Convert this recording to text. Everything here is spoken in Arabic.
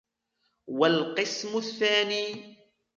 وَالْقِسْمُ الثَّانِي